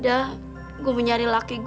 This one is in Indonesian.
apaan sih ini